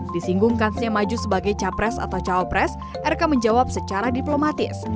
di singgungkan si maju sebagai capres atau caopres rk menjawab secara diplomatis